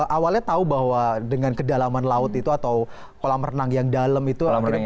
awalnya tahu bahwa dengan kedalaman laut itu atau kolam renang yang dalam itu